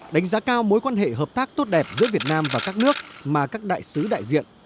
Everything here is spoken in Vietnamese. đánh giá cao mối quan hệ hợp tác tốt đẹp giữa việt nam và các nước mà các đại sứ đại diện